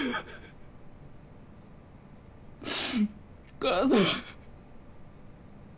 母さん。